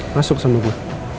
masuk sama gue